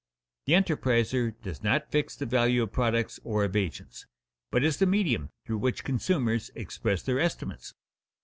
_The enterpriser does not fix the value of products or of agents, but is the medium through which consumers express their estimates.